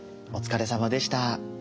お疲れさまでした。